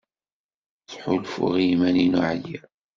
Ttḥulfuɣ i yiman-inu ɛyiɣ.